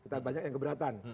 kita banyak yang keberatan